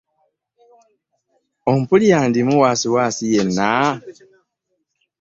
Ompulira ndimu waasiwaasi yenna?